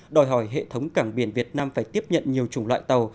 đòi hỏi hệ thống cảng biển việt nam phải tiếp nhận nhiều chủng loại tàu